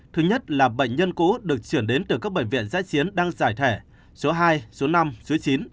thứ nhất là bệnh nhân cũ được chuyển đến từ các bệnh viện giã chiến đang giải thẻ số hai số năm số chín